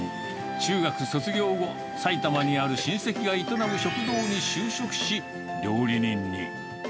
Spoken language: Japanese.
中学卒業後、埼玉にある親戚が営む食堂に就職し、料理人に。